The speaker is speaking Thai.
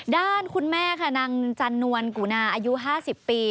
ด้านคุณแม่ค่ะนางจันนวลกูนาอายุ๕๐ปี